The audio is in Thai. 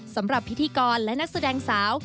สำหรับพิธีกรและนักแสดงสาว